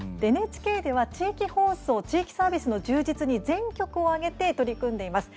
ＮＨＫでは、地域放送地域サービスの充実に全局を挙げて取り組んでいます。